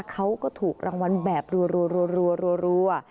เขาก็ถูกรางวัลแบบรัว